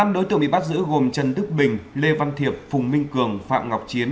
năm đối tượng bị bắt giữ gồm trần đức bình lê văn thiệp phùng minh cường phạm ngọc chiến